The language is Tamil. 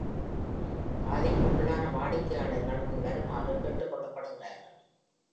பாதிப்புக்குள்ளான வாடிக்கையாளர்கள் முன் வருமாறு கேட்டுக்கொள்ளப்படுகிறார்கள்.